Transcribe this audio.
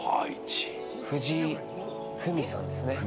藤井芙美さんですね。